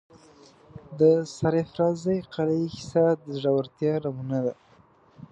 د سرافرازۍ قلعې کیسه د زړه ورتیا نمونه ده.